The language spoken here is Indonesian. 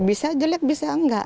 bisa jelek bisa enggak